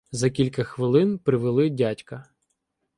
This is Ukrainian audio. За кілька хвилин привели дядька.